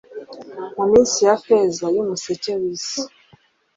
Mu minsi ya feza yumuseke wisi